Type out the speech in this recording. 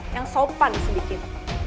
yang sopan sedikit